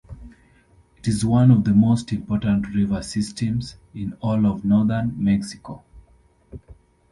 It is one of the most important river systems in all of northern Mexico.